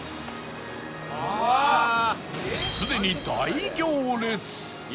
すでに大行列！